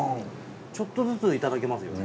ちょっとずついただけますよね。